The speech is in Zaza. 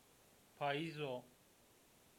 Payîz o